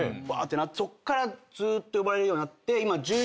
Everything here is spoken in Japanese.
そっからずーっと呼ばれるようになって今。